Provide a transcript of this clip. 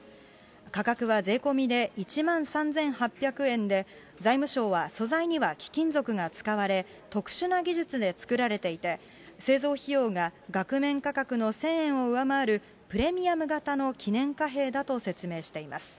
価格は税込みで１万３８００円で、財務省は素材には貴金属が使われ、特殊な技術でつくられていて、製造費用が額面価格の１０００円を上回るプレミアム型の記念貨幣だと説明しています。